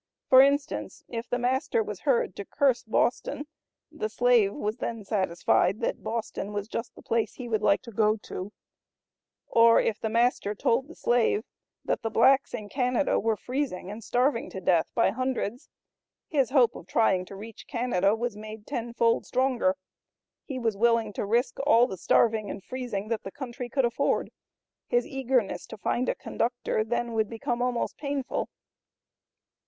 For instance if the master was heard to curse Boston the slave was then satisfied that Boston was just the place he would like to go to; or if the master told the slave that the blacks in Canada were freezing and starving to death by hundreds, his hope of trying to reach Canada was made tenfold stronger; he was willing to risk all the starving and freezing that the country could afford; his eagerness to find a conductor then would become almost painful.